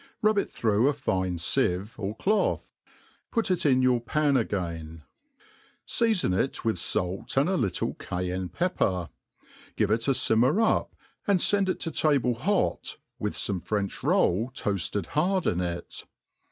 rub it through a fine fievc, or cloth, put it in your pan again ; feafoa MADE. PLAIN AND EAST 127 feafon it with fait and a little Cayenne pepper ; give it a fim mer up, and fend it to table hoc with fome French roll toafied hard in it.